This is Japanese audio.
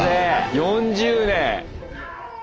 ４０年。